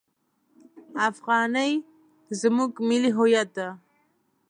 افغانۍ زموږ ملي هویت ده!